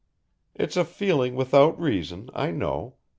It's a feeling without reason, I know.